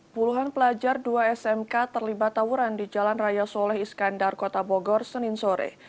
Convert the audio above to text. puluhan pelajar dua smk terlibat tawuran di jalan raya soleh iskandar kota bogor senin sore